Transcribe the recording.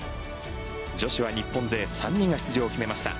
女子は日本勢３人が出場を決めました。